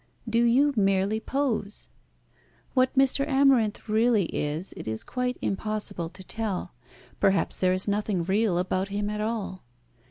Do you merely pose? What Mr. Amarinth really is it is quite impossible to tell. Perhaps there is nothing real about him at all.